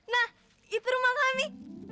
nah itu rumah kami